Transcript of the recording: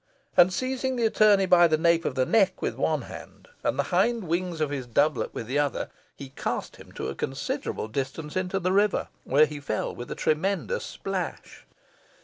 And, seizing the attorney by the nape of the neck with one hand, and the hind wings of his doublet with the other, he cast him to a considerable distance into the river, where he fell with a tremendous splash.